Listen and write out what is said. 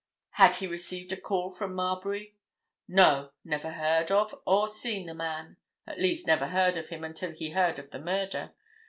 "Had he received a call from Marbury?" "No! Never heard of or seen the man. At least, never heard of him until he heard of the murder.